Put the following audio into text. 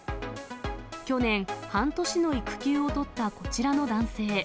去年、半年の育休を取ったこちらの男性。